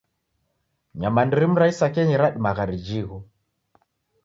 Nyamandu rimu ra isakenyi radiw'agha rijigho.